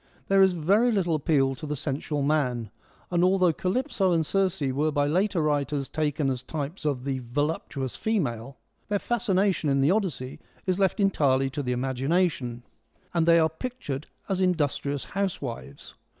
There is very little appeal to the sensual man, and although Calypso and Circe were by later writers taken as types of the voluptuous female, their fascination in the Odyssey is left entirely to the imagination, and they "' THE EARLY EPIC n are pictured as industrious housewives.